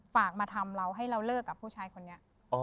ฝากมาทำเราให้เราเลิกกับผู้ชายคนนี้